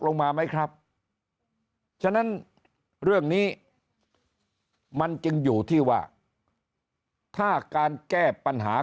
ไหมครับฉะนั้นเรื่องนี้มันจึงอยู่ที่ว่าถ้าการแก้ปัญหา